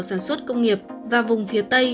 sản xuất công nghiệp và vùng phía tây